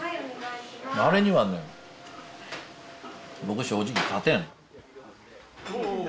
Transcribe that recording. あれにはね僕正直勝てん。